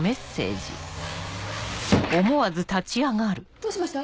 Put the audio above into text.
どうしました？